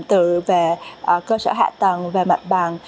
từ về cơ sở hạ tầng và mạch bằng